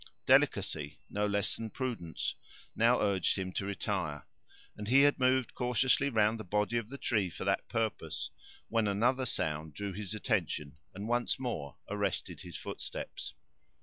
Delicacy, no less than prudence, now urged him to retire; and he had moved cautiously round the body of the tree for that purpose, when another sound drew his attention, and once more arrested his footsteps.